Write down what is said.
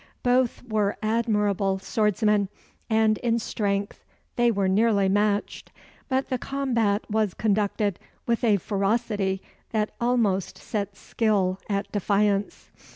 Both were admirable swordsmen, and in strength they were nearly matched; but the combat was conducted with a ferocity that almost set skill at defiance.